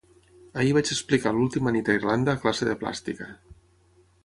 Ahir vaig explicar l'última nit a Irlanda a classe de plàstica.